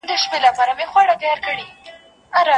مهاجرت سخت دی خو وطن خوږ دی.